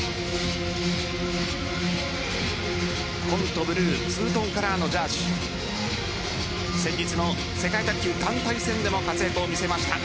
紺とブルーツートンカラーのジャージ先日の世界卓球団体戦でも活躍を見せました。